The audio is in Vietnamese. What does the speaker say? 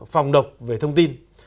phòng độc về thông tin